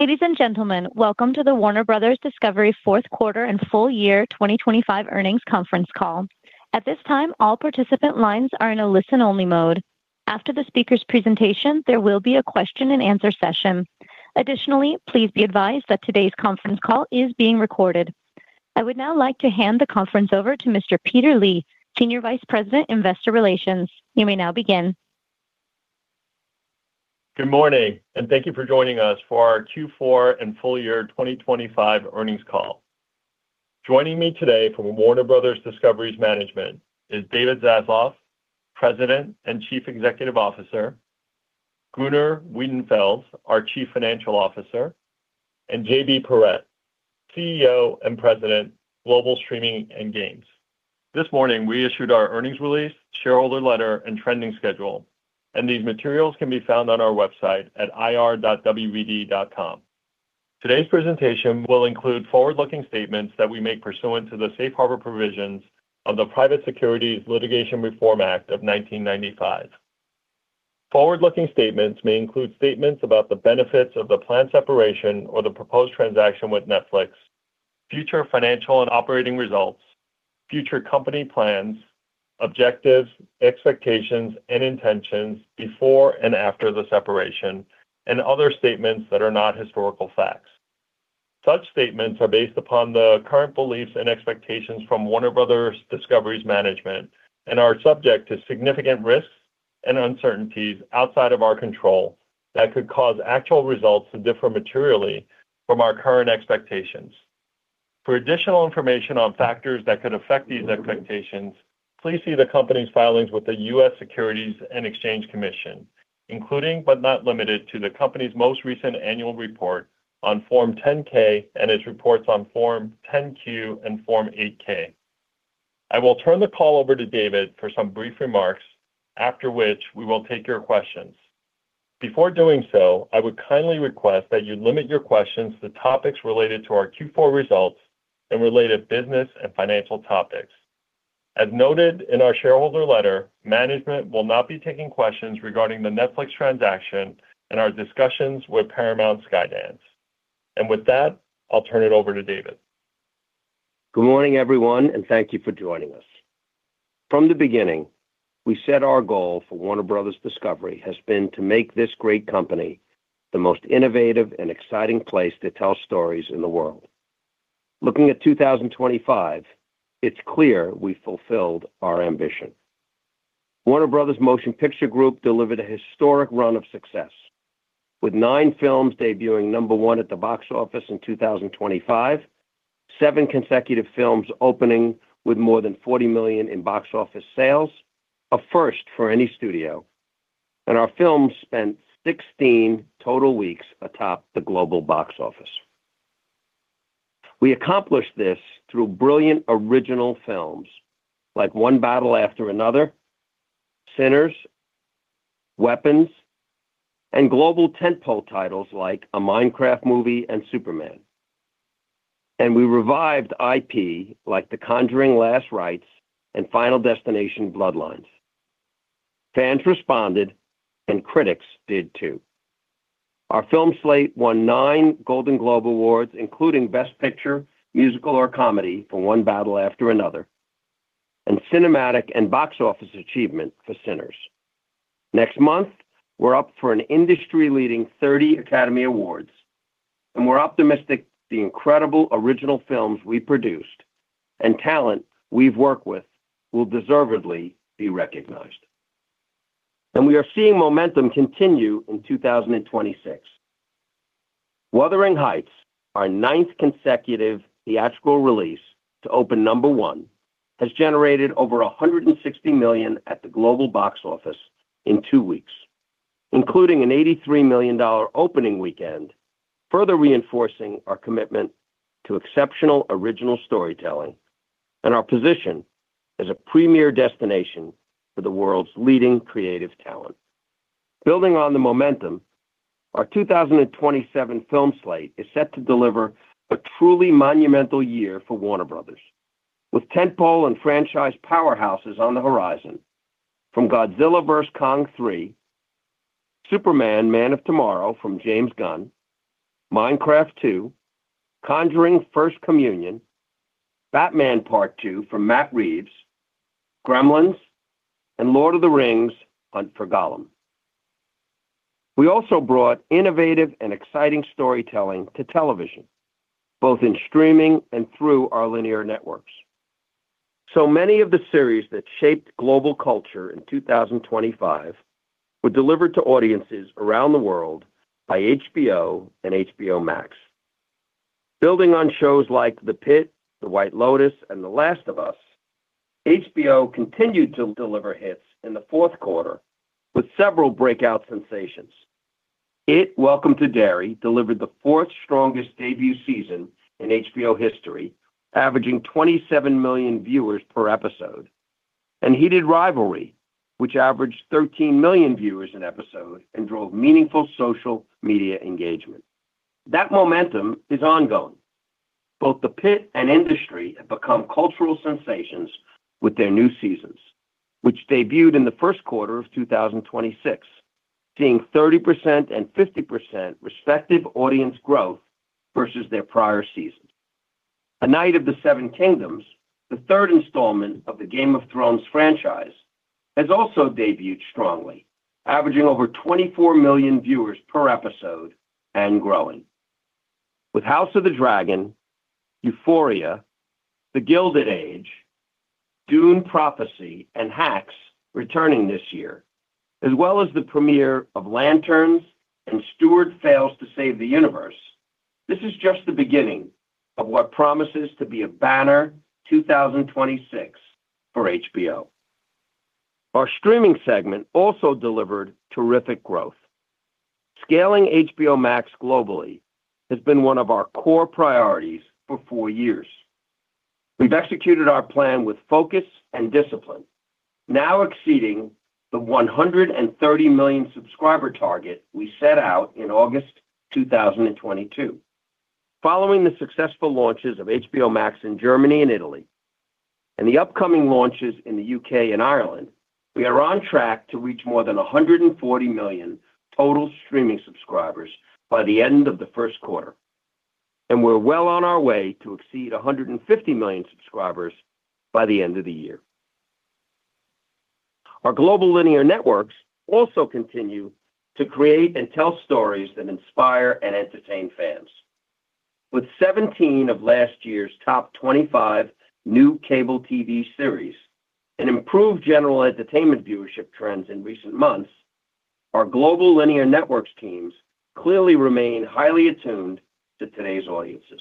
Ladies and gentlemen, welcome to the Warner Bros. Discovery Fourth Quarter and Full Year 2025 Earnings Conference Call. At this time, all participant lines are in a listen-only mode. After the speaker's presentation, there will be a question-and-answer session. Additionally, please be advised that today's conference call is being recorded. I would now like to hand the conference over to Mr. Peter Lee, Senior Vice President, Investor Relations. You may now begin. Good morning, thank you for joining us for our Q4 and full year 2025 Earnings Call. Joining me today from Warner Bros. Discovery's management is David Zaslav, President and Chief Executive Officer, Gunnar Wiedenfels, our Chief Financial Officer, and JB Perrette, CEO and President, Global Streaming and Games. This morning, we issued our earnings release, shareholder letter, and trending schedule, and these materials can be found on our website at ir.wbd.com. Today's presentation will include forward-looking statements that we make pursuant to the Safe Harbor Provisions of the Private Securities Litigation Reform Act of 1995. Forward-looking statements may include statements about the benefits of the planned separation or the proposed transaction with Netflix, future financial and operating results, future company plans, objectives, expectations, and intentions before and after the separation, and other statements that are not historical facts. Such statements are based upon the current beliefs and expectations from Warner Bros. Discovery's management and are subject to significant risks and uncertainties outside of our control that could cause actual results to differ materially from our current expectations. For additional information on factors that could affect these expectations, please see the company's filings with the U.S. Securities and Exchange Commission, including but not limited to, the company's most recent annual report on Form 10-K and its reports on Form 10-Q and Form 8-K. I will turn the call over to David for some brief remarks, after which we will take your questions. Before doing so, I would kindly request that you limit your questions to topics related to our Q4 results and related business and financial topics. As noted in our shareholder letter, management will not be taking questions regarding the Netflix transaction and our discussions with Paramount, Skydance. With that, I'll turn it over to David. Good morning, everyone, and thank you for joining us. From the beginning, we set our goal for Warner Bros. Discovery has been to make this great company the most innovative and exciting place to tell stories in the world. Looking at 2025, it's clear we fulfilled our ambition. Warner Bros. Motion Picture Group delivered a historic run of success, with nine films debuting number one at the box office in 2025, seven consecutive films opening with more than $40 million in box office sales, a first for any studio, our films spent 16 total weeks atop the global box office. We accomplished this through brilliant original films like One Battle After Another, Sinners, Weapons, and global tentpole titles like A Minecraft Movie and Superman. We revived IP like The Conjuring: Last Rites and Final Destination: Bloodlines. Fans responded, and critics did too. Our film slate won nine Golden Globe Awards, including Best Picture, Musical or Comedy for One Battle After Another, and Cinematic and Box Office Achievement for Sinners. Next month, we're up for an industry-leading 30 Academy Awards, we're optimistic the incredible original films we produced and talent we've worked with will deservedly be recognized. We are seeing momentum continue in 2026. Wuthering Heights, our ninth consecutive theatrical release to open number one, has generated over $160 million at the global box office in two weeks, including an $83 million opening weekend, further reinforcing our commitment to exceptional original storytelling and our position as a premier destination for the world's leading creative talent. Building on the momentum, our 2027 film slate is set to deliver a truly monumental year for Warner Bros., with tentpole and franchise powerhouses on the horizon, from Godzilla vs. Kong 3, Superman: Man of Tomorrow from James Gunn, Minecraft 2, Conjuring: First Communion, Batman Part 2 from Matt Reeves, Gremlins, and The Lord of the Rings: The Hunt for Gollum. We also brought innovative and exciting storytelling to television, both in streaming and through our linear networks. Many of the series that shaped global culture in 2025 were delivered to audiences around the world by HBO and HBO Max. Building on shows like The Pitt, The White Lotus, and The Last of Us, HBO continued to deliver hits in the fourth quarter with several breakout sensations. It, Welcome to Derry, delivered the fourth strongest debut season in HBO history, averaging 27 million viewers per episode, and Heated Rivalry, which averaged 13 million viewers an episode and drove meaningful social media engagement. That momentum is ongoing. Both The Pitt and Industry have become cultural sensations with their new seasons, which debuted in the first quarter of 2026, seeing 30% and 50% respective audience growth versus their prior season. A Knight of the Seven Kingdoms, the third installment of the Game of Thrones franchise, has also debuted strongly, averaging over 24 million viewers per episode and growing. With House of the Dragon, Euphoria, The Gilded Age, Dune: Prophecy, and Hacks returning this year, as well as the premiere of Lanterns and Stuart Fails to Save the Universe, this is just the beginning of what promises to be a banner 2026 for HBO. Our streaming segment also delivered terrific growth. Scaling HBO Max globally has been one of our core priorities for four years. We've executed our plan with focus and discipline, now exceeding the 130 million subscriber target we set out in August 2022. Following the successful launches of HBO Max in Germany and Italy, and the upcoming launches in the U.K. and Ireland, we are on track to reach more than 140 million total streaming subscribers by the end of the first quarter, and we're well on our way to exceed 150 million subscribers by the end of the year. Our global linear networks also continue to create and tell stories that inspire and entertain fans. With 17 of last year's top 25 new cable TV series and improved general entertainment viewership trends in recent months, our global linear networks teams clearly remain highly attuned to today's audiences.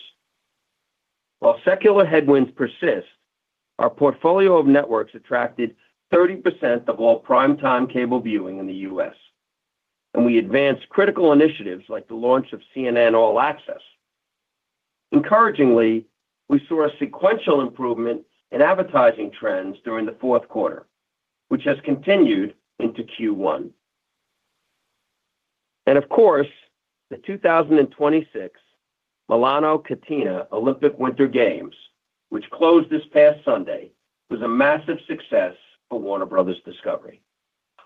While secular headwinds persist, our portfolio of networks attracted 30% of all prime-time cable viewing in the U.S., and we advanced critical initiatives like the launch of CNN All Access. Encouragingly, we saw a sequential improvement in advertising trends during the fourth quarter, which has continued into Q1. Of course, the 2026 Milano Cortina Olympic Winter Games, which closed this past Sunday, was a massive success for Warner Bros. Discovery.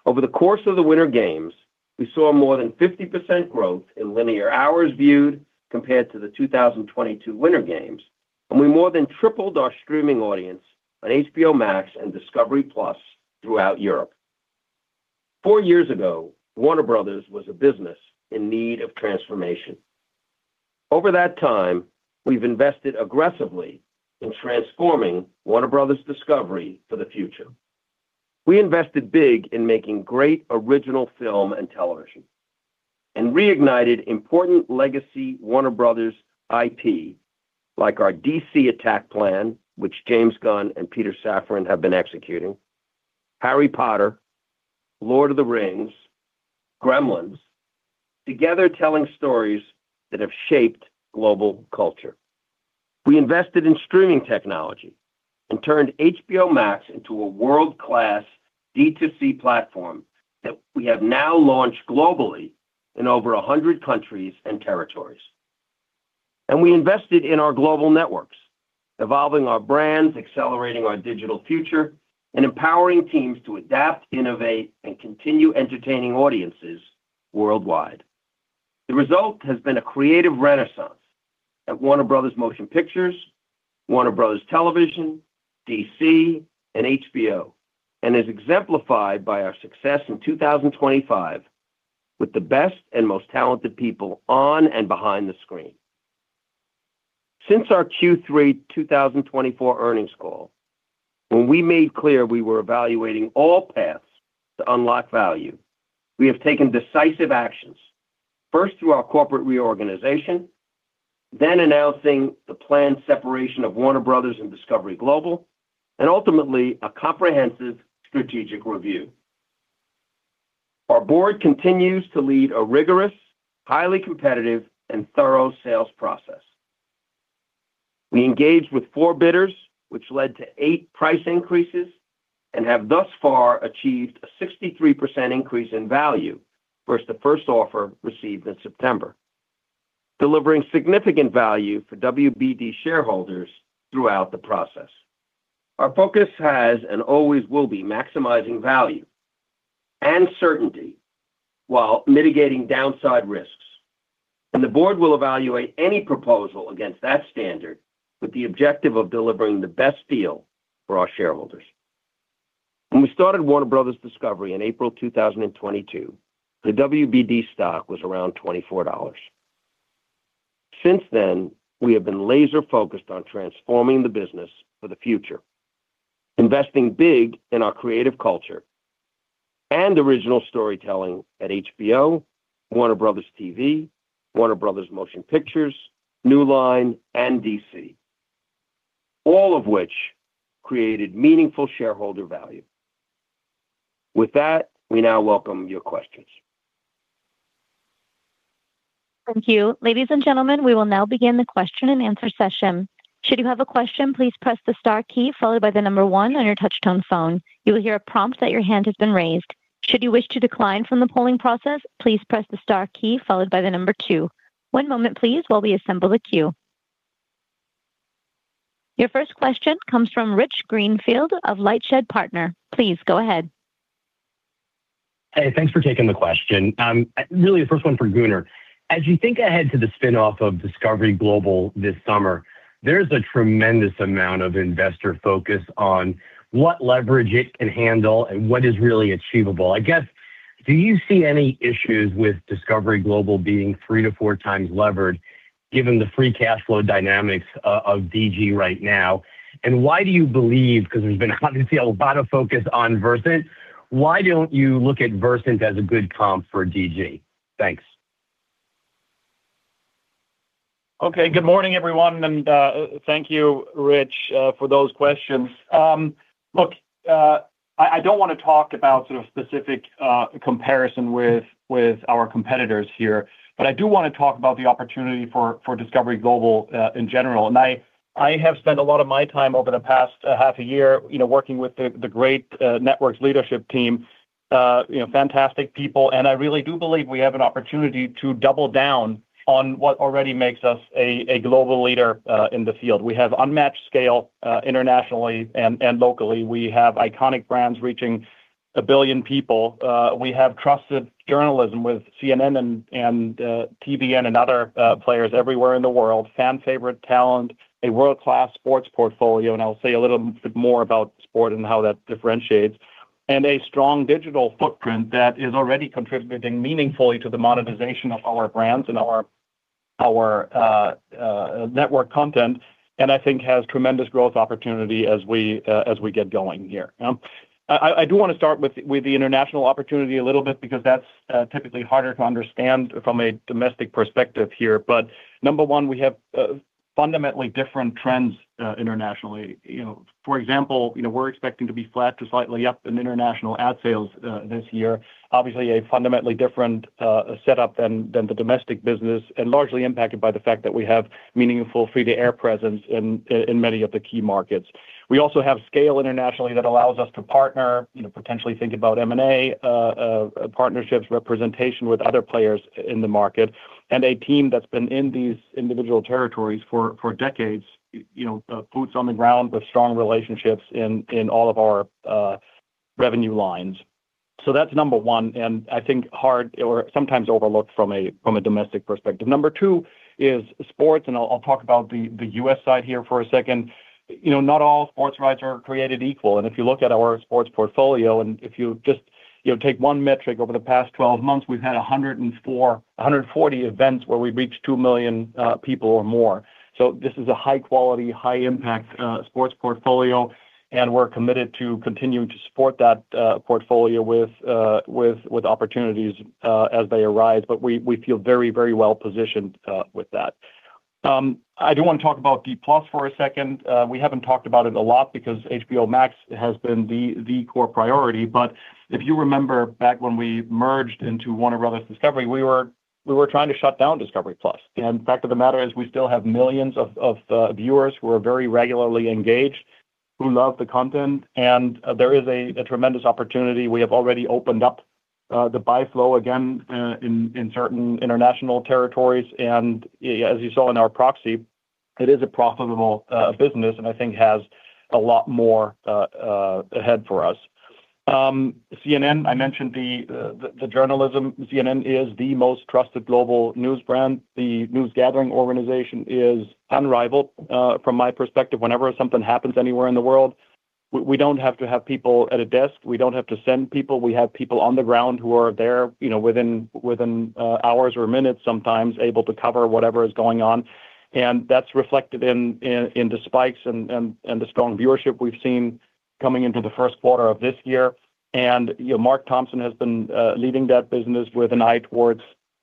Over the course of the Winter Games, we saw more than 50% growth in linear hours viewed compared to the 2022 Winter Games. We more than tripled our streaming audience on HBO Max and discovery+ throughout Europe. Four years ago, Warner Bros. was a business in need of transformation. Over that time, we've invested aggressively in transforming Warner Bros. Discovery for the future. We invested big in making great original film and television, and reignited important legacy Warner Bros. IP, like our DC attack plan, which James Gunn and Peter Safran have been executing, Harry Potter, Lord of the Rings, Gremlins, together telling stories that have shaped global culture. We invested in streaming technology and turned HBO Max into a world-class D2C platform that we have now launched globally in over 100 countries and territories. We invested in our global networks, evolving our brands, accelerating our digital future, and empowering teams to adapt, innovate, and continue entertaining audiences worldwide. The result has been a creative renaissance at Warner Bros. Motion Pictures, Warner Bros. Television, DC, and HBO, and is exemplified by our success in 2025 with the best and most talented people on and behind the screen. Since our Q3 2024 earnings call, when we made clear we were evaluating all paths to unlock value, we have taken decisive actions, first through our corporate reorganization, then announcing the planned separation of Warner Bros. and Discovery Global, and ultimately, a comprehensive strategic review. Our board continues to lead a rigorous, highly competitive, and thorough sales process. We engaged with four bidders, which led to eight price increases, and have thus far achieved a 63% increase in value versus the first offer received in September, delivering significant value for WBD shareholders throughout the process. Our focus has and always will be maximizing value and certainty while mitigating downside risks, the board will evaluate any proposal against that standard with the objective of delivering the best deal for our shareholders. When we started Warner Bros. Discovery in April 2022, the WBD stock was around $24. Since then, we have been laser-focused on transforming the business for the future, investing big in our creative culture and original storytelling at HBO, Warner Bros. TV, Warner Bros. Motion Pictures, New Line, and DC, all of which created meaningful shareholder value. With that, we now welcome your questions. Thank you. Ladies and gentlemen, we will now begin the question-and-answer session. Should you have a question, please press the star key followed by one on your touch-tone phone. You will hear a prompt that your hand has been raised. Should you wish to decline from the polling process, please press the star key followed by two. One moment, please, while we assemble the queue. Your first question comes from Rich Greenfield of LightShed Partners. Please go ahead. Hey, thanks for taking the question. Really, the first one for Gunnar. As you think ahead to the spin-off of Discovery Global this summer, there's a tremendous amount of investor focus on what leverage it can handle and what is really achievable. I guess, do you see any issues with Discovery Global being 3-4 times levered, given the free cash flow dynamics of DG right now? Why do you believe, 'cause there's been obviously a lot of focus on Versant, why don't you look at Versant as a good comp for DG? Thanks. Okay, good morning, everyone, and thank you, Rich, for those questions. Look, I don't wanna talk about sort of specific comparison with our competitors here, but I do wanna talk about the opportunity for Discovery Global in general. I have spent a lot of my time over the past half a year, you know, working with the great networks leadership team, you know, fantastic people, and I really do believe we have an opportunity to double down on what already makes us a global leader in the field. We have unmatched scale internationally and locally. We have iconic brands reaching 1 billion people. We have trusted journalism with CNN and TVN and other players everywhere in the world, fan-favorite talent, a world-class sports portfolio, I'll say a little bit more about sport and how that differentiates, a strong digital footprint that is already contributing meaningfully to the monetization of our brands and our network content, I think has tremendous growth opportunity as we get going here. I do wanna start with the international opportunity a little bit because that's typically harder to understand from a domestic perspective here. Number one, we have fundamentally different trends internationally. You know, for example, you know, we're expecting to be flat to slightly up in international ad sales this year. Obviously, a fundamentally different setup than the domestic business, and largely impacted by the fact that we have meaningful free-to-air presence in many of the key markets. We also have scale internationally that allows us to partner, you know, potentially think about M&A, partnerships, representation with other players in the market, and a team that's been in these individual territories for decades, you know, boots on the ground with strong relationships in all of our revenue lines. That's number one, and I think hard or sometimes overlooked from a domestic perspective. Number two is sports, and I'll talk about the U.S. side here for a second. You know, not all sports rights are created equal, and if you look at our sports portfolio, and if you just, you know, take one metric, over the past 12 months, we've had 140 events where we've reached 2 million people or more. This is a high-quality, high-impact sports portfolio, and we're committed to continuing to support that portfolio with opportunities as they arise. We feel very, very well positioned with that. I do wanna talk about discovery+ for a second. We haven't talked about it a lot because HBO Max has been the core priority, but if you remember back when we merged into Warner Bros. Discovery, we were trying to shut down discovery+. The fact of the matter is, we still have millions of viewers who are very regularly engaged, who love the content, and there is a tremendous opportunity. We have already opened up the buy flow again in certain international territories, and as you saw in our proxy, it is a profitable business, and I think has a lot more ahead for us. CNN, I mentioned the journalism. CNN is the most trusted global news brand. The news gathering organization is unrivaled. From my perspective, whenever something happens anywhere in the world, we don't have to have people at a desk, we don't have to send people. We have people on the ground who are there, you know, within hours or minutes, sometimes able to cover whatever is going on, and that's reflected in the spikes and the strong viewership we've seen coming into the first quarter of this year. You know, Mark Thompson has been leading that business with an eye towards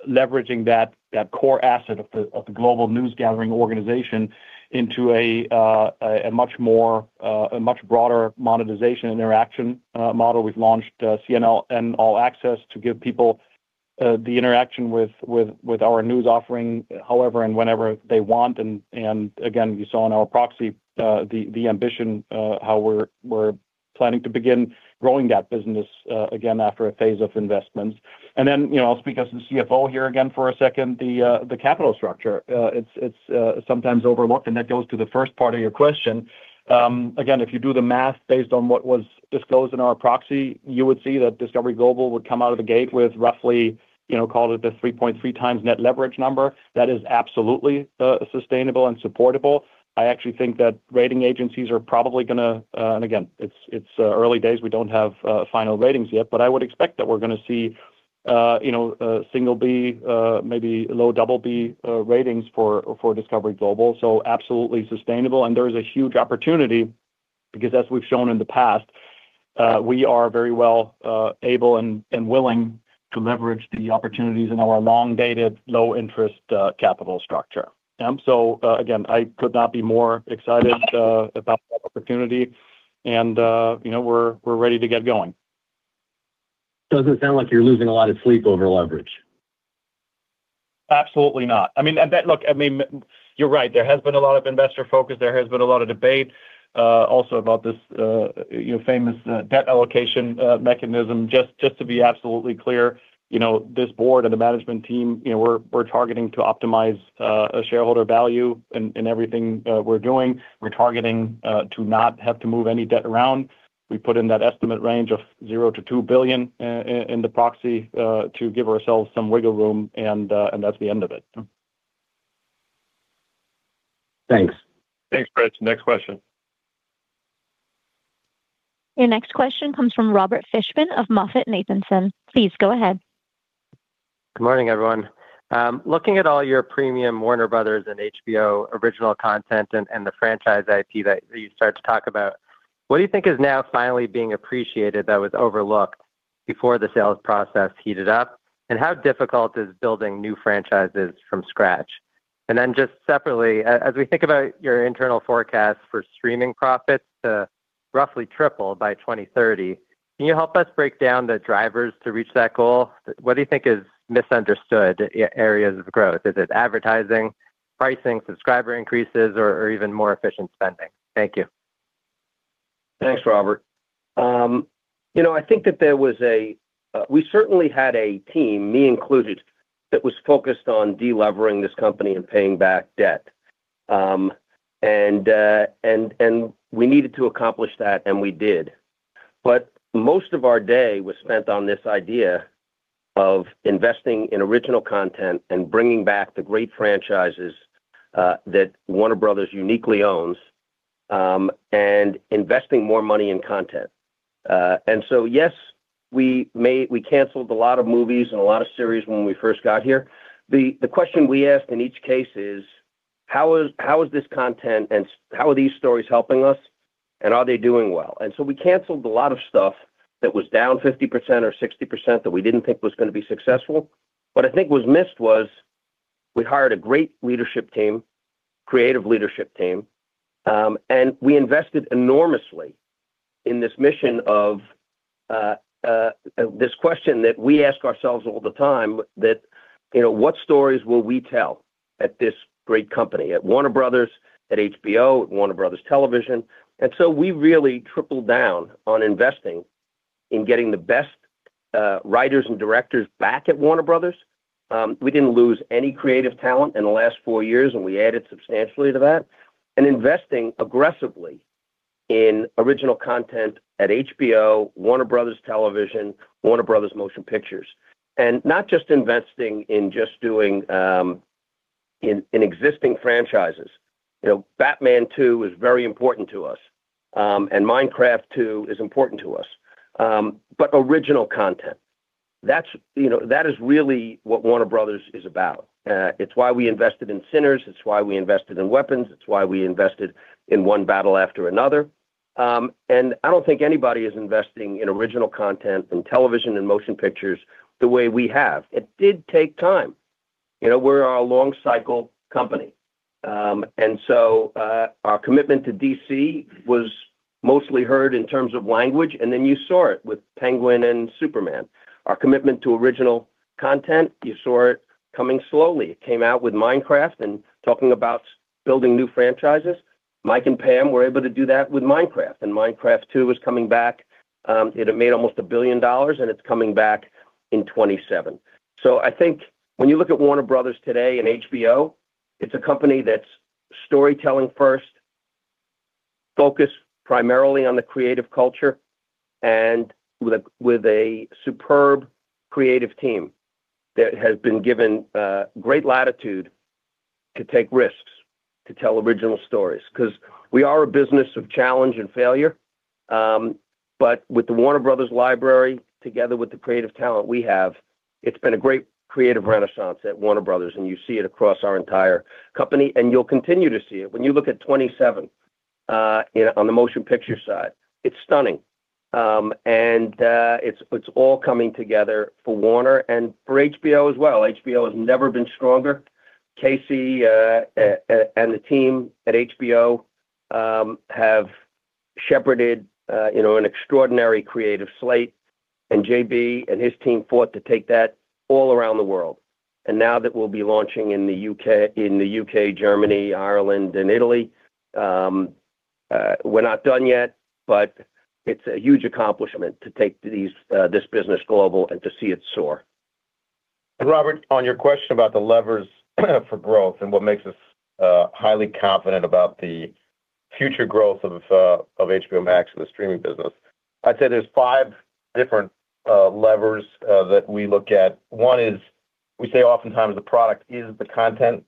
leveraging that core asset of the global news gathering organization into a much more, a much broader monetization interaction model. We've launched CNN All Access to give people the interaction with our news offering, however, and whenever they want. Again, you saw in our proxy, the ambition, how we're planning to begin growing that business again, after a phase of investments. You know, I'll speak as the CFO here again for a second, the capital structure. It's sometimes overlooked, and that goes to the first part of your question. Again, if you do the math based on what was disclosed in our proxy, you would see that Discovery Global would come out of the gate with roughly, you know, call it the 3.3 times net leverage number. That is absolutely sustainable and supportable. I actually think that rating agencies are probably. Again, it's early days. We don't have final ratings yet, but I would expect that we're gonna see, you know, single B, maybe low double B ratings for Discovery Global. Absolutely sustainable, and there is a huge opportunity because as we've shown in the past, we are very well able and willing to leverage the opportunities in our long-dated, low-interest capital structure. Again, I could not be more excited about the opportunity and, you know, we're ready to get going. Doesn't sound like you're losing a lot of sleep over leverage? Absolutely not. I mean, you're right, there has been a lot of investor focus. There has been a lot of debate also about this, you know, famous debt allocation mechanism. Just to be absolutely clear, you know, this board and the management team, you know, we're targeting to optimize a shareholder value in everything we're doing. We're targeting to not have to move any debt around. We put in that estimate range of 0 to $2 billion in the proxy to give ourselves some wiggle room, that's the end of it. Thanks. Thanks, Rich. Next question. Your next question comes from Robert Fishman of MoffettNathanson. Please go ahead. Good morning, everyone. Looking at all your premium Warner Bros. and HBO original content and the franchise IP that you started to talk about, what do you think is now finally being appreciated that was overlooked before the sales process heated up? How difficult is building new franchises from scratch? Just separately, as we think about your internal forecast for streaming profits to roughly triple by 2030, can you help us break down the drivers to reach that goal? What do you think is misunderstood areas of growth? Is it advertising, pricing, subscriber increases, or even more efficient spending? Thank you. Thanks, Robert. you know, I think that there was a we certainly had a team, me included, that was focused on delevering this company and paying back debt. and we needed to accomplish that, and we did. Most of our day was spent on this idea of investing in original content and bringing back the great franchises, that Warner Bros. uniquely owns, and investing more money in content. Yes, we canceled a lot of movies and a lot of series when we first got here. The question we asked in each case is: How is this content and how are these stories helping us, and are they doing well? We canceled a lot of stuff that was down 50% or 60% that we didn't think was gonna be successful. What I think was missed was we hired a great leadership team, creative leadership team, and we invested enormously in this mission of this question that we ask ourselves all the time, that, you know, what stories will we tell at this great company, at Warner Bros., at HBO, at Warner Bros. Television? We really tripled down on investing in getting the best writers and directors back at Warner Bros. We didn't lose any creative talent in the last 4 years, and we added substantially to that, and investing aggressively in original content at HBO, Warner Bros. Television, Warner Bros. Motion Pictures. Not just investing in just doing in existing franchises. You know, Batman II is very important to us, and Minecraft II is important to us. Original content, that's, you know, that is really what Warner Bros. is about. It's why we invested in Sinners, it's why we invested in Weapons, it's why we invested in One Battle After Another. I don't think anybody is investing in original content and television and motion pictures the way we have. It did take time. You know, we're a long cycle company. Our commitment to DC was mostly heard in terms of language, and then you saw it with The Penguin and Superman. Our commitment to original content, you saw it coming slowly. It came out with Minecraft and talking about building new franchises. Mike and Pam were able to do that with Minecraft, and Minecraft 2 is coming back. It had made almost $1 billion, and it's coming back in 2027. I think when you look at Warner Bros. today and HBO, it's a company that's storytelling first, focused primarily on the creative culture, and with a superb creative team that has been given great latitude to take risks, to tell original stories, because we are a business of challenge and failure. But with the Warner Bros. library, together with the creative talent we have, it's been a great creative renaissance at Warner Bros., and you see it across our entire company, and you'll continue to see it. When you look at 27, you know, on the motion picture side, it's stunning. And, it's all coming together for Warner and for HBO as well. HBO has never been stronger. Casey, and the team at HBO, have shepherded, you know, an extraordinary creative slate, and JB and his team fought to take that all around the world. Now that we'll be launching in the U.K., Germany, Ireland, and Italy, we're not done yet, but it's a huge accomplishment to take these, this business global and to see it soar. Robert, on your question about the levers for growth and what makes us highly confident about the future growth of HBO Max and the streaming business, I'd say there's five different levers that we look at. One is we say oftentimes the product is the content,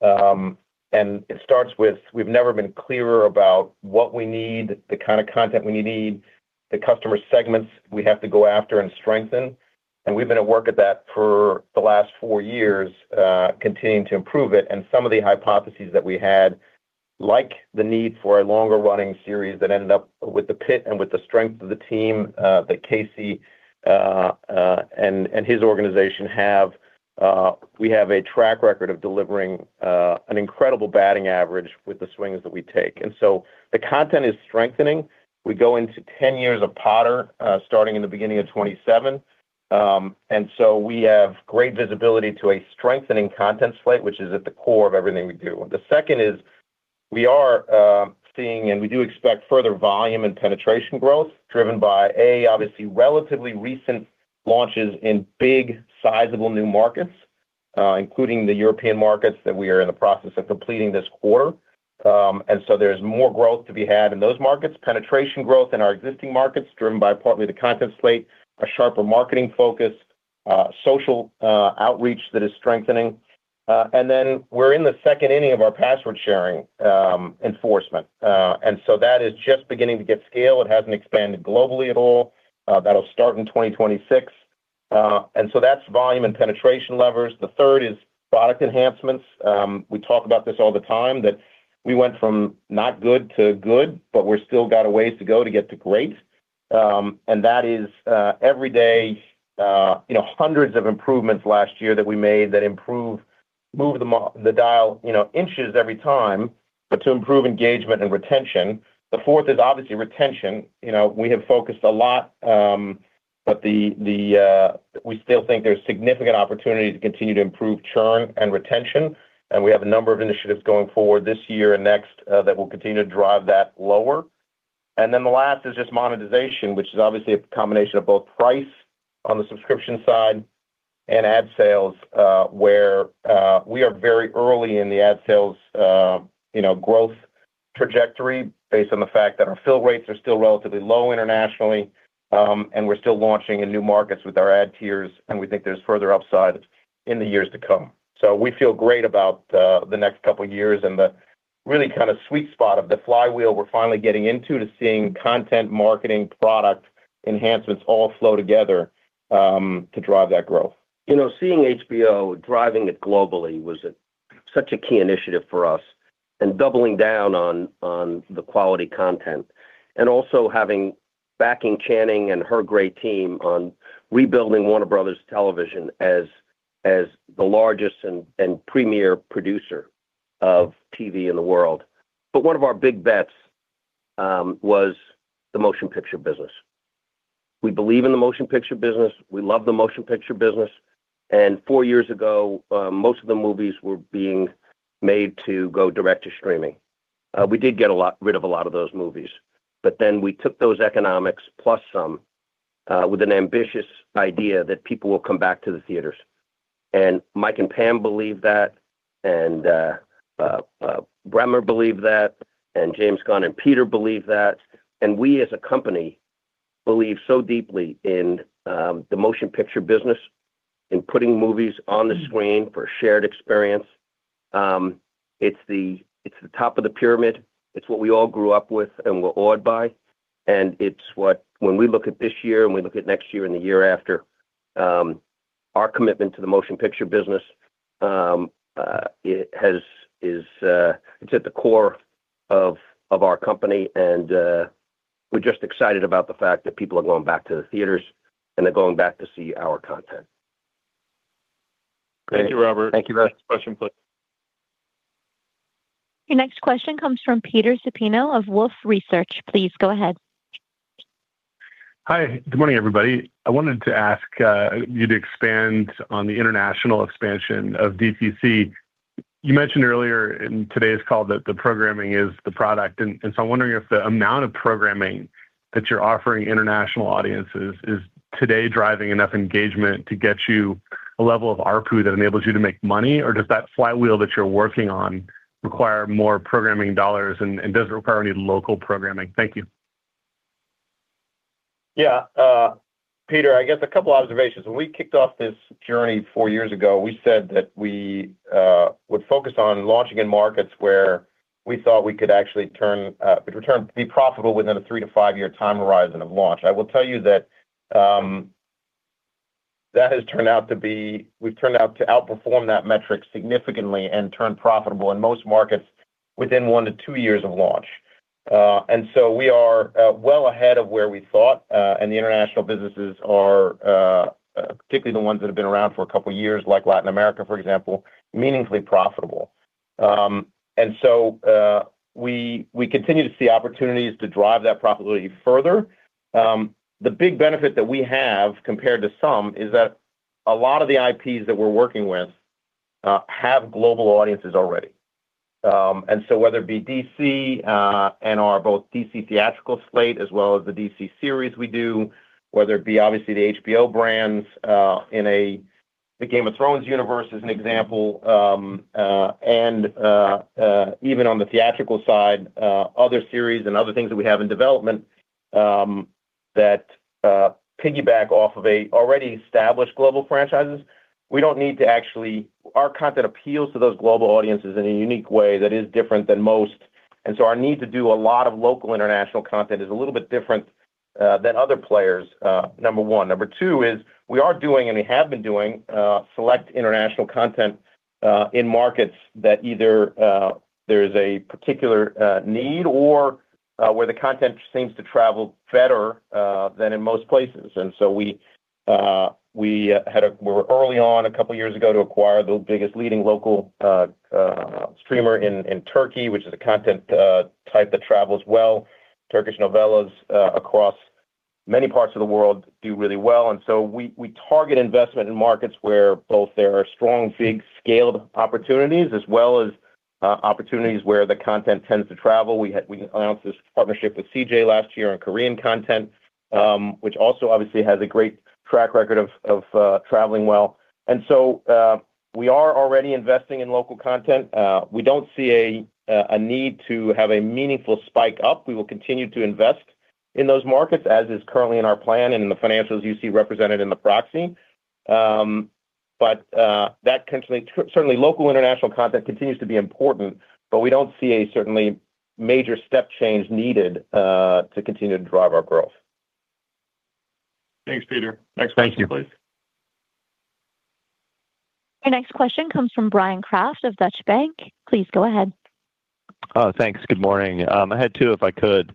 and it starts with, we've never been clearer about what we need, the kind of content we need, the customer segments we have to go after and strengthen, and we've been at work at that for the last four years, continuing to improve it. And some of the hypotheses that we had, like the need for a longer-running series that ended up with The Pitt and with the strength of the team that Casey and his organization have we have a track record of delivering an incredible batting average with the swings that we take. And so the content is strengthening. We go into ten years of Potter starting in the beginning of 27 and so we have great visibility to a strengthening content slate, which is at the core of everything we do. The second is we are seeing and we do expect further volume and penetration growth, driven by, A, obviously relatively recent launches in big, sizable new markets including the European markets that we are in the process of completing this quarter There's more growth to be had in those markets. Penetration growth in our existing markets, driven by partly the content slate, a sharper marketing focus, social outreach that is strengthening. We're in the second inning of our password sharing enforcement. That is just beginning to get scale. It hasn't expanded globally at all. That'll start in 2026. That's volume and penetration levers. The third is product enhancements. We talk about this all the time, that we went from not good to good, but we've still got a ways to go to get to great. And that is every day, you know, hundreds of improvements last year that we made that move the dial, you know, inches every time, but to improve engagement and retention. The fourth is obviously retention. You know, we have focused a lot, but the we still think there's significant opportunity to continue to improve churn and retention, and we have a number of initiatives going forward this year and next that will continue to drive that lower. The last is just monetization, which is obviously a combination of both price on the subscription side and ad sales, where we are very early in the ad sales, you know, growth trajectory, based on the fact that our fill rates are still relatively low internationally, and we're still launching in new markets with our ad tiers, and we think there's further upside in the years to come. We feel great about the next couple of years and the really kinda sweet spot of the flywheel we're finally getting into, to seeing content, marketing, product enhancements all flow together to drive that growth. You know, seeing HBO, driving it globally was such a key initiative for us, and doubling down on the quality content, and also backing Channing and her great team on rebuilding Warner Bros. Television as the largest and premier producer of TV in the world. One of our big bets was the motion picture business. We believe in the motion picture business. We love the motion picture business, four years ago, most of the movies were being made to go direct to streaming. We did rid of a lot of those movies, we took those economics, plus some, with an ambitious idea that people will come back to the theaters. Mike and Pam believed that, Bremer believed that, James Gunn and Peter believed that. We, as a company, believe so deeply in the motion picture business, in putting movies on the screen for a shared experience. It's the top of the pyramid. It's what we all grew up with and we're awed by. When we look at this year, and we look at next year and the year after, our commitment to the motion picture business, it's at the core of our company, and we're just excited about the fact that people are going back to the theaters, and they're going back to see our content. Great, Robert. Thank you very much. Next question, please. Your next question comes from Peter Supino of Wolfe Research. Please, go ahead. Hi, good morning, everybody. I wanted to ask you to expand on the international expansion of D2C. You mentioned earlier in today's call that the programming is the product, and so I'm wondering if the amount of programming that you're offering international audiences is today driving enough engagement to get you a level of ARPU that enables you to make money, or does that flywheel that you're working on require more programming dollars and does it require any local programming? Thank you. Peter, I guess two observations. When we kicked off this journey four years ago, we said that we would focus on launching in markets where we thought we could actually be profitable within a three to five year time horizon of launch. I will tell you that we've turned out to outperform that metric significantly and turn profitable in most markets within one to two years of launch. We are well ahead of where we thought, and the international businesses are, particularly the ones that have been around for two years, like Latin America, for example, meaningfully profitable. We continue to see opportunities to drive that profitability further. The big benefit that we have, compared to some, is that a lot of the IPs that we're working with have global audiences already. Whether it be DC, and/or both DC theatrical slate as well as the DC series we do, whether it be obviously the HBO brands, the Game of Thrones universe, as an example, and even on the theatrical side, other series and other things that we have in development that piggyback off of a already established global franchises. Our content appeals to those global audiences in a unique way that is different than most, and so our need to do a lot of local international content is a little bit different than other players, number one. Number two is, we are doing and we have been doing select international content in markets that either there is a particular need or where the content seems to travel better than in most places. We were early on, a couple of years ago, to acquire the biggest leading local streamer in Turkey, which is a content type that travels well. Turkish novellas across many parts of the world do really well. We target investment in markets where both there are strong, big scaled opportunities, as well as opportunities where the content tends to travel. We announced this partnership with CJ last year on Korean content, which also obviously has a great track record of traveling well. We are already investing in local content. We don't see a need to have a meaningful spike up. We will continue to invest in those markets, as is currently in our plan and in the financials you see represented in the proxy. Certainly, local international content continues to be important, but we don't see a certainly major step change needed to continue to drive our growth. Thanks, Peter. Next question, please. Thank you. Your next question comes from Bryan Kraft of Deutsche Bank. Please go ahead. Thanks. Good morning. I had two, if I could.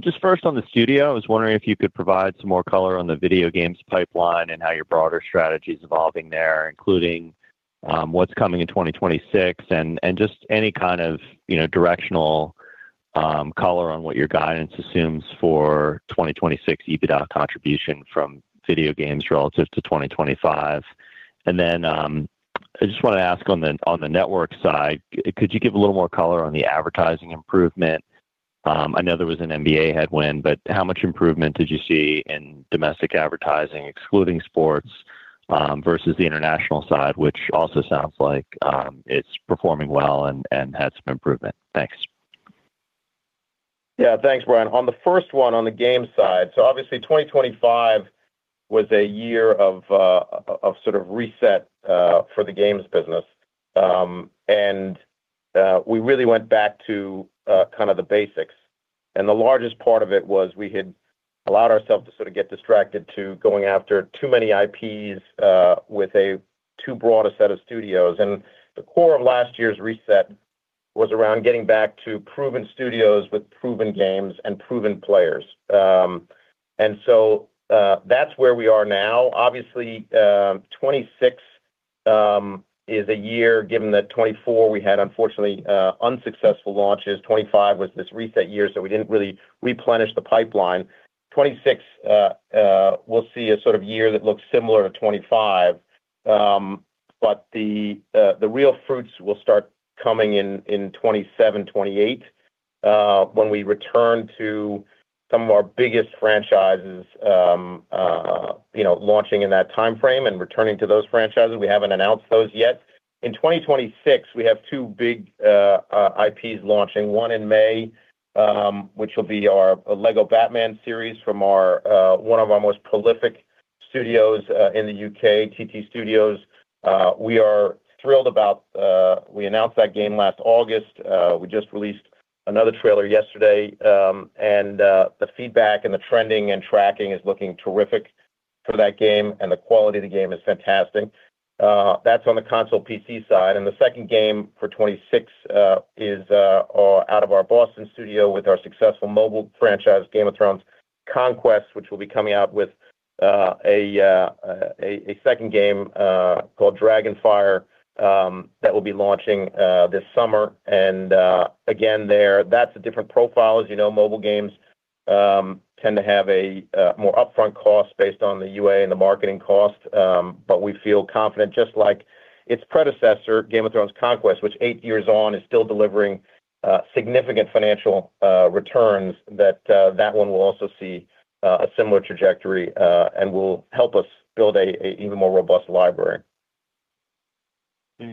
Just first on the studio, I was wondering if you could provide some more color on the video games pipeline and how your broader strategy is evolving there, including what's coming in 2026, and just any kind of, you know, directional color on what your guidance assumes for 2026 EBITDA contribution from video games relative to 2025. I just wanted to ask on the network side, could you give a little more color on the advertising improvement? I know there was an NBA headwind, but how much improvement did you see in domestic advertising, excluding sports, versus the international side, which also sounds like it's performing well and had some improvement? Thanks. Yeah. Thanks, Bryan. On the first one, on the game side, obviously, 2025 was a year of sort of reset for the games business. We really went back to kind of the basics. The largest part of it was we had allowed ourselves to sort of get distracted to going after too many IPs with a too broad a set of studios. The core of last year's reset was around getting back to proven studios with proven games and proven players. That's where we are now. Obviously, 2026 is a year, given that 2024 we had, unfortunately, unsuccessful launches. 2025 was this reset year, we didn't really replenish the pipeline. 2026 we'll see a sort of year that looks similar to 2025. The real fruits will start coming in 27, 28, when we return to some of our biggest franchises, you know, launching in that timeframe and returning to those franchises. We haven't announced those yet. In 2026, we have two big IPs launching, one in May, which will be a LEGO Batman series from one of our most prolific studios in the UK, TT Games. We are thrilled about. We announced that game last August. We just released another trailer yesterday, the feedback and the trending and tracking is looking terrific for that game, and the quality of the game is fantastic. That's on the console PC side. The second game for 26 is out of our Boston studio with our successful mobile franchise, Game of Thrones: Conquest, which will be coming out with a second game called Dragonfire that will be launching this summer. Again, there, that's a different profile. As you know, mobile games tend to have a more upfront cost based on the UA and the marketing cost, but we feel confident, just like its predecessor, Game of Thrones: Conquest, which eight years on is still delivering significant financial returns, that one will also see a similar trajectory and will help us build a even more robust library.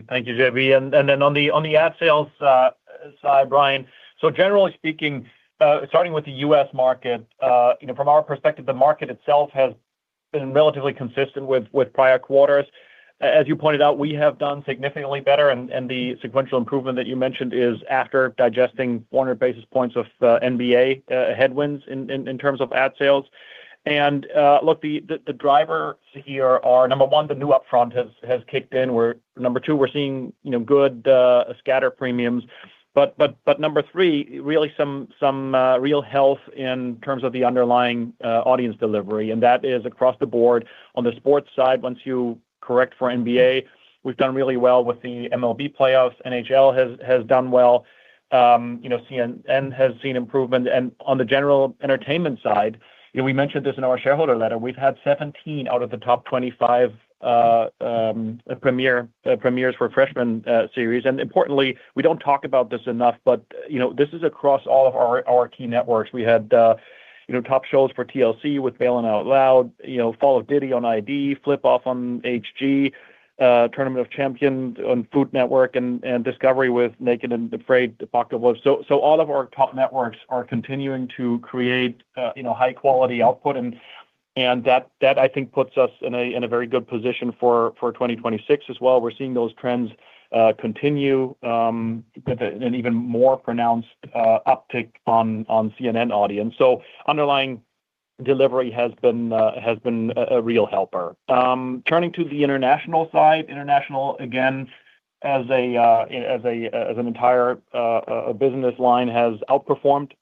Thank you, JB. On the ad sales side, Bryan, generally speaking, starting with the U.S. market, you know, from our perspective, the market itself has been relatively consistent with prior quarters. As you pointed out, we have done significantly better, and the sequential improvement that you mentioned is after digesting 100 basis points of NBA headwinds in terms of ad sales. Look, the drivers here are, number one, the new upfront has kicked in. Number two, we're seeing, you know, good scatter premiums, but number 3, really some real health in terms of the underlying audience delivery, and that is across the board. On the sports side, once you correct for NBA, we've done really well with the MLB playoffs. NHL has done well, you know, CNN has seen improvement. On the general entertainment side, you know, we mentioned this in our shareholder letter, we've had 17 out of the top 25 premiere premieres for freshman series. Importantly, we don't talk about this enough, but, you know, this is across all of our key networks. We had, you know, top shows for TLC with Baylen Out Loud, you know, Fall of Diddy on ID, Flip Off on HG, Tournament of Champions on Food Network, and Discovery with Naked and Afraid: The Pack of Wolves. All of our top networks are continuing to create, you know, high quality output, and that I think puts us in a very good position for 2026 as well. We're seeing those trends continue with an even more pronounced uptick on CNN audience. Underlying delivery has been a real helper. Turning to the international side. International, again, as an entire business line, has outperformed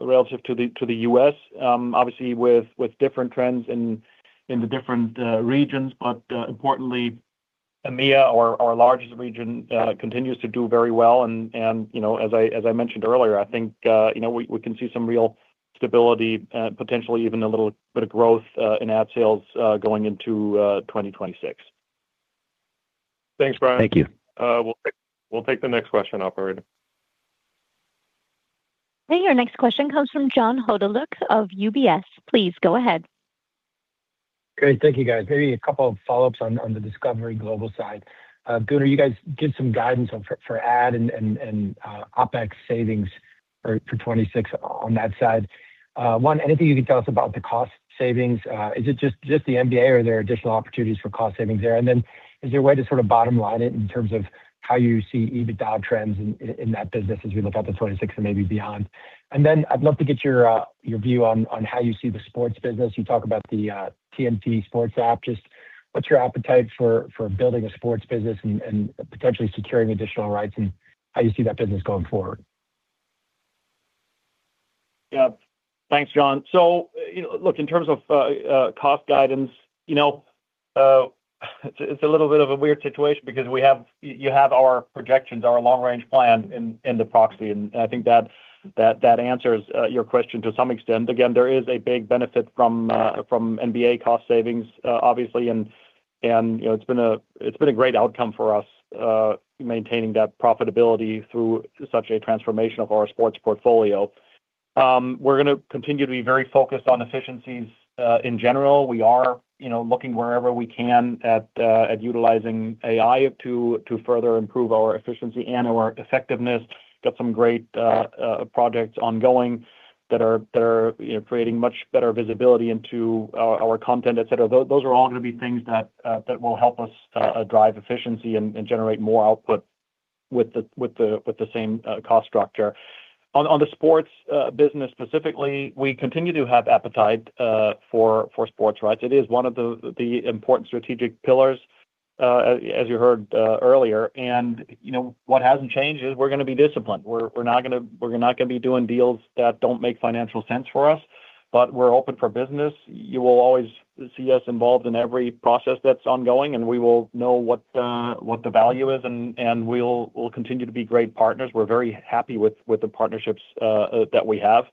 relative to the U.S., obviously, with different trends in the different regions. Importantly, EMEA, our largest region, continues to do very well. You know, as I mentioned earlier, I think, you know, we can see some real stability, potentially even a little bit of growth in ad sales going into 2026. Thanks, Bryan. Thank you. We'll take the next question, operator. Hey, your next question comes from John Hodulik of UBS. Please go ahead. Great. Thank you, guys. Maybe a couple of follow-ups on the Discovery Global side. Gunnar, you guys give some guidance on for ad and OpEx savings for 2026 on that side. One, anything you can tell us about the cost savings? Is it just the NBA, or are there additional opportunities for cost savings there? Is there a way to sort of bottom line it in terms of how you see EBITDA trends in that business as we look out to 2026 and maybe beyond? I'd love to get your view on how you see the sports business. You talk about the TNT sports app. Just what's your appetite for building a sports business and potentially securing additional rights, and how you see that business going forward? Yeah. Thanks, John. You know, look, in terms of cost guidance, you know, it's a little bit of a weird situation because you have our projections, our long range plan in the proxy, and I think that answers your question to some extent. Again, there is a big benefit from NBA cost savings, obviously, and, you know, it's been a great outcome for us, maintaining that profitability through such a transformation of our sports portfolio. We're gonna continue to be very focused on efficiencies in general. We are, you know, looking wherever we can at utilizing AI to further improve our efficiency and our effectiveness. Got some great projects ongoing that are, you know, creating much better visibility into our content, et cetera. Those are all gonna be things that will help us drive efficiency and generate more output with the same cost structure. On the sports business specifically, we continue to have appetite for sports rights. It is one of the important strategic pillars as you heard earlier. You know, what hasn't changed is we're gonna be disciplined. We're not gonna be doing deals that don't make financial sense for us, but we're open for business. You will always see us involved in every process that's ongoing, and we will know what the value is, and we'll continue to be great partners. We're very happy with the partnerships that we have.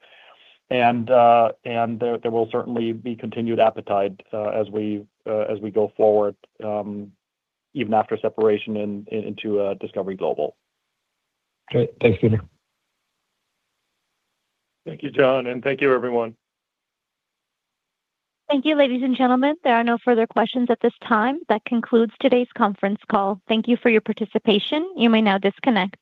There will certainly be continued appetite as we go forward, even after separation into Discovery Global. Great. Thanks, Gunnar. Thank you, John, and thank you, everyone. Thank you, ladies and gentlemen. There are no further questions at this time. That concludes today's conference call. Thank you for your participation. You may now disconnect.